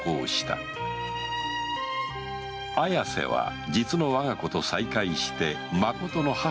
綾瀬は実の我が子と再会してまことの母の心を取り戻した